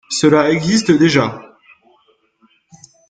Cela existe déjà